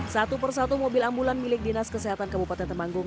satu persatu mobil ambulan milik dinas kesehatan kabupaten temanggung